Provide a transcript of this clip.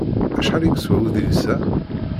Acḥal i yeswa udlis-a?